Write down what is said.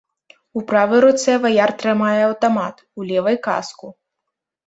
У правай руцэ ваяр трымае аўтамат, у левай каску.